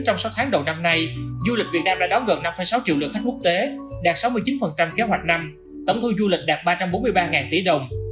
trong sáu tháng đầu năm nay du lịch việt nam đã đón gần năm sáu triệu lượt khách quốc tế đạt sáu mươi chín kế hoạch năm tổng thu du lịch đạt ba trăm bốn mươi ba tỷ đồng